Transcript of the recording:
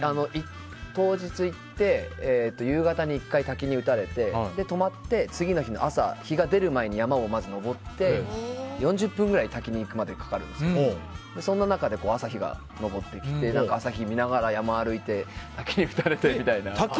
当日行って夕方に１回滝に打たれて泊まって次の日の朝日が出る前に山をまず登って、４０分くらい滝に行くまでにかかるんですけどそんな中で朝日が昇ってきて朝日を見ながら山を歩いて、ごはん食べて。